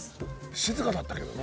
静かだったけどね。